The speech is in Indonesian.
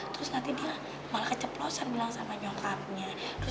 terus nanti dia malah keceplosan bilang sama jokapnya